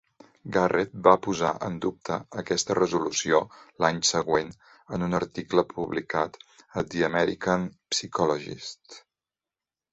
Garrett va posar en dubte aquesta resolució l'any següent en un article publicat a "The American Psychologist".